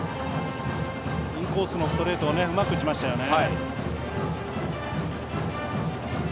インコースのストレートをうまく打ちましたよね。